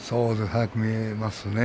早く見えますね